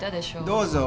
どうぞ。